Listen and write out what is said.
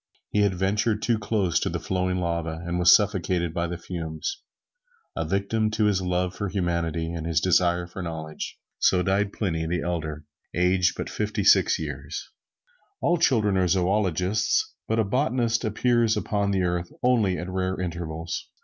He had ventured too close to the flowing lava, and was suffocated by the fumes, a victim to his love for humanity and his desire for knowledge. So died Pliny the Elder, aged but fifty six years. All children are zoologists, but a botanist appears upon the earth only at rare intervals.